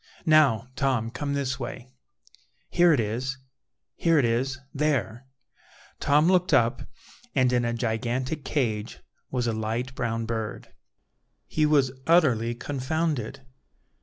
Now, Tom, come this way; here it is, here it is, there." Tom looked up, and in a gigantic cage was a light brown bird. He was utterly confounded.